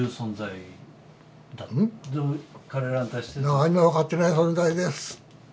何も分かってない存在です。